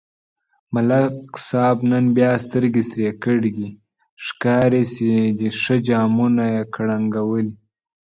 ملک صاحب نن بیا سترگې سرې کړي، ښکاري چې ښه جامونه یې کړنگولي.